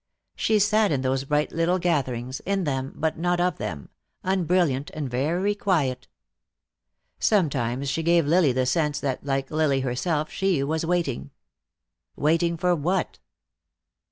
She sat in those bright little gatherings, in them but not of them, unbrilliant and very quiet. Sometimes she gave Lily the sense that like Lily herself she was waiting. Waiting for what?